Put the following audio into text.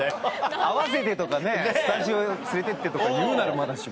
会わせてとかねスタジオ連れてってとか言うならまだしも。